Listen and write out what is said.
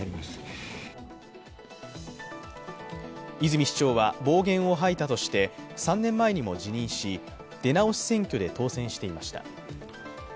泉市長は、暴言を吐いたとして３年前にも辞任し、出直し選挙で当選していました。